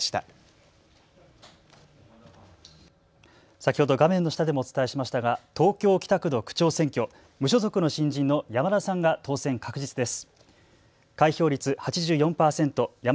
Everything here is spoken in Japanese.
先ほど画面の下でもお伝えしましたが、東京北区の区長選挙、無所属の新人の山田さんが当選確実です。